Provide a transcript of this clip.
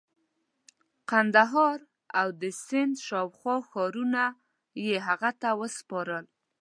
قندهار او د سند شاوخوا ښارونه یې هغه ته وسپارل.